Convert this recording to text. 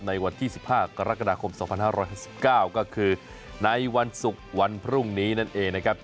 ในวันที่๑๕กรกฎาคม๒๕๕๙ก็คือในวันศุกร์วันพรุ่งนี้นั่นเองนะครับ